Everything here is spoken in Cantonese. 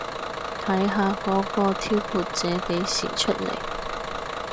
睇下嗰個挑撥者幾時出嚟